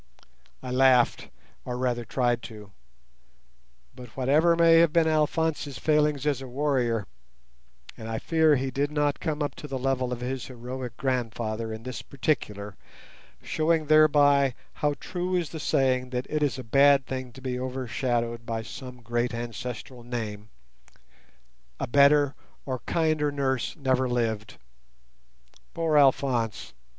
I laughed, or rather tried to; but whatever may have been Alphonse's failings as a warrior (and I fear that he did not come up to the level of his heroic grandfather in this particular, showing thereby how true is the saying that it is a bad thing to be overshadowed by some great ancestral name), a better or kinder nurse never lived. Poor Alphonse!